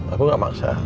aku gak maksa